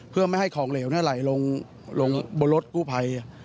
เพื่อไม่ให้ของเหลวไหลลงบนรถกู้ภัย